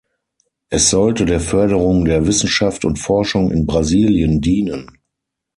Es sollte der Förderung der Wissenschaft und Forschung in Brasilien dienen.